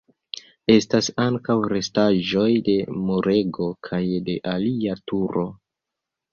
Estas ankaŭ restaĵoj de murego kaj de alia turo.